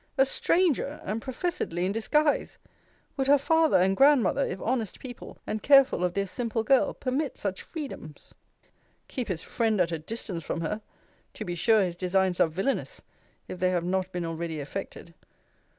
a stranger, and professedly in disguise! Would her father and grandmother, if honest people, and careful of their simple girl, permit such freedoms? Keep his friend at a distance from her! To be sure his designs are villainous, if they have not been already effected.